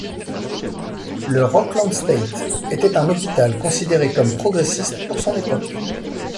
Le Rockland State était un hôpital considéré comme progressiste pour son époque.